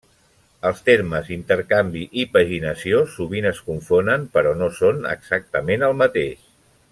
Els termes intercanvi i paginació sovint es confonen però no són exactament el mateix.